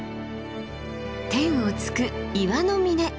天を突く岩の峰。